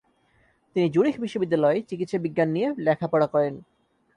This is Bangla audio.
তিনি জুরিখ বিশ্ববিদ্যালয়ে চিকিৎসাবিজ্ঞান নিয়ে লেখাপড়া করেন।